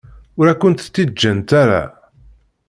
Ur akent-t-id-ǧǧan ara.